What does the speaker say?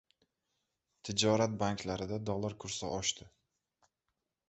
Tijorat banklarida dollar kursi oshdi